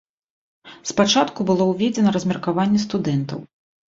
Спачатку было ўведзена размеркаванне студэнтаў.